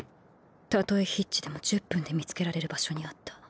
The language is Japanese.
たとえヒッチでも１０分で見つけられる場所にあった。